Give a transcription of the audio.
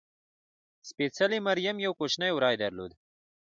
سپېڅلې مریم یو کوچنی وری درلود.